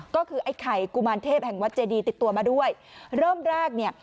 ก็คือไอ้ไข่กุมารเทพแห่งวัดเจดีติดตัวมาด้วยเริ่มแรกเนี่ย